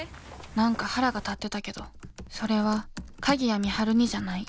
何か腹が立ってたけどそれは鍵谷美晴にじゃない。